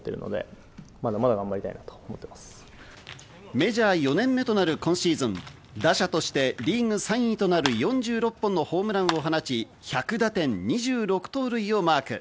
メジャー４年目となる今シーズン、打者としてリーグ３位となる４６本のホームランを放ち、１００打点２６盗塁をマーク。